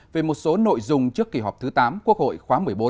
về một số nội dung trước kỳ họp thứ tám quốc hội khóa một mươi bốn